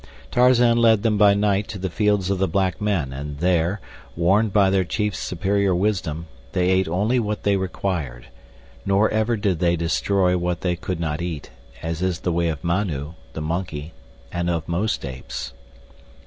Tarzan led them by night to the fields of the black men, and there, warned by their chief's superior wisdom, they ate only what they required, nor ever did they destroy what they could not eat, as is the way of Manu, the monkey, and of most apes.